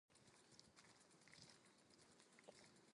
It is the home of Fincantieri cruise ship building company.